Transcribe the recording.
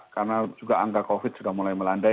karena juga angka covid sudah mulai melandai